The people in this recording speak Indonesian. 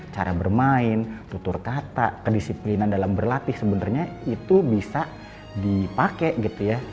cara bermain tutur kata kedisiplinan dalam berlatih sebenarnya itu bisa dipakai gitu ya